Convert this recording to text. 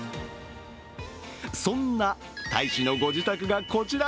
そんな大使のご自宅がこちら。